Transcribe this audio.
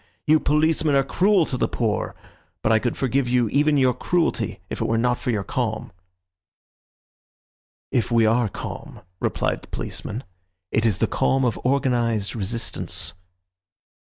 You policemen are cruel to the poor, but I could forgive you even your cruelty if it were not for your calm." "If we are calm," replied the policeman, "it is the calm of organised resistance."